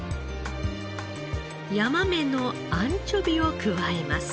ヤマメのアンチョビを加えます。